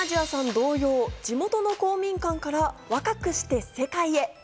同様、地元の公民館から若くして世界へ。